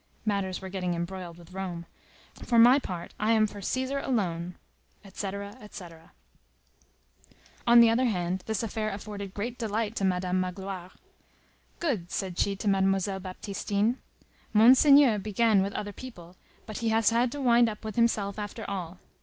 [Matters were getting embroiled with Rome.] For my part, I am for Cæsar alone." Etc., etc. On the other hand, this affair afforded great delight to Madame Magloire. "Good," said she to Mademoiselle Baptistine; "Monseigneur began with other people, but he has had to wind up with himself, after all.